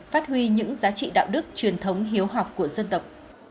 phát huy những giá trị đạo đức truyền thống hiếu học của dân tộc